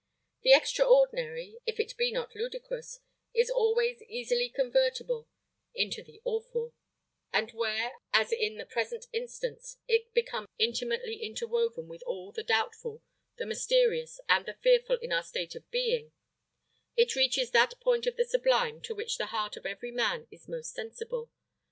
The extraordinary, if it be not ludicrous, is always easily convertible into the awful; and where, as in the present instance, it becomes intimately interwoven with all the doubtful, the mysterious, and the fearful in our state of being, it reaches that point of the sublime to which the heart of every man is most sensible.